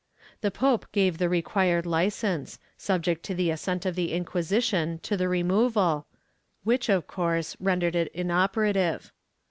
The pope gave the required Hcence, subject to the assent of the Inquisition to the removal, which of course rendered it inoperative.